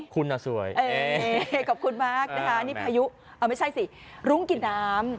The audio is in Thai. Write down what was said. คุณน่ะสวยขอบคุณมากนะคะนี่พายุเอาไม่ใช่สิรุ้งกินน้ำ